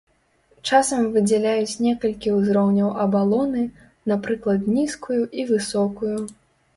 Часам выдзяляюць некалькі ўзроўняў абалоны, напрыклад нізкую і высокую.